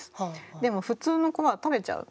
でも普通の子は食べちゃう。